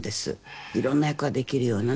いろんな役ができるようなね